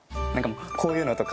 こういうのとか。